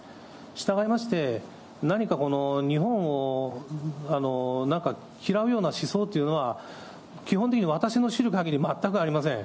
従いまして何かこの、日本をなんか嫌うような思想っていうのは、基本的に私の知るかぎり、全くありません。